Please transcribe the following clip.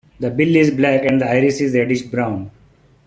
The bill is black and the iris is reddish brown.